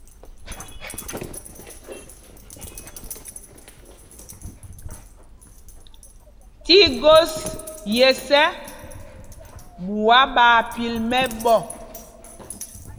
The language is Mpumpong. Tí gos yes ɛ, ɓuá ɓaa pil mɛ́ɓɔ́.